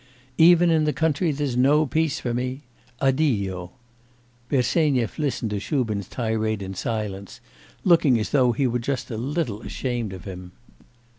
P.? Even in the country there's no peace for me. Addio!' Bersenyev listened to Shubin's tirade in silence, looking as though he were just a little ashamed of him.